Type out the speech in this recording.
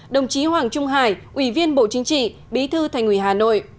đồng chí hoàng trung hải ủy viên bộ chính trị bí thư thành ủy hà nội